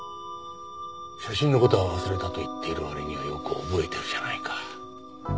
写真の事は忘れたと言っている割にはよく覚えてるじゃないか。